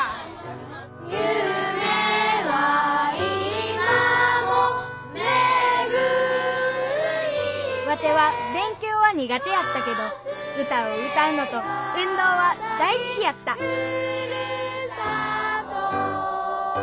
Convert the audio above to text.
「夢は今もめぐりて」ワテは勉強は苦手やったけど歌を歌うのと運動は大好きやった「故郷」